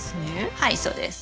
はいそうです。